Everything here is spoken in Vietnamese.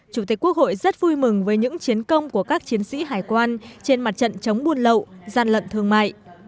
chủ tịch quốc hội rất vui mừng với những chiến công của các chiến sĩ hải quan trên mặt trận chống buôn lậu gian lận thương mại